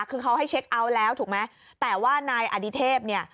คือเขาให้เช็คเอาท์แล้วถูกไหมแต่ว่านายอดิเทพเนี่ย